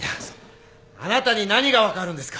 あなたに何が分かるんですか。